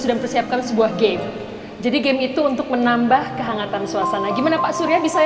sudah mempersiapkan sebuah game jadi game itu untuk menambah kehangatan suasana gimana pak surya bisa